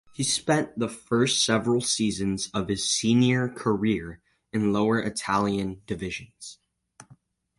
He spent the first several seasons of his senior career in lower Italian divisions.